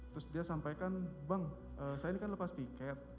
terus dia sampaikan bang saya ini kan lepas piket